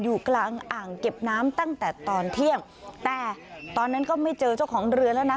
อยู่กลางอ่างเก็บน้ำตั้งแต่ตอนเที่ยงแต่ตอนนั้นก็ไม่เจอเจ้าของเรือแล้วนะ